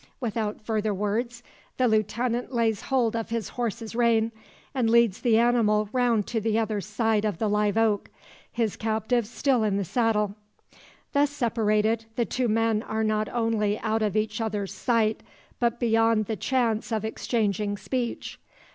Without further words, the lieutenant lays hold of his horse's rein, and leads the animal round to the other side of the live oak, his captive still in the saddle. Thus separated, the two men are not only out of each other's sight, but beyond the chance of exchanging speech.